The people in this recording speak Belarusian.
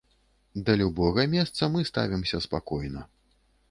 Да любога месца мы ставімся спакойна.